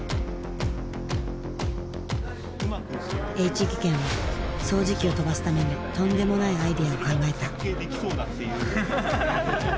Ｈ技研は掃除機を跳ばすためにとんでもないアイデアを考えた。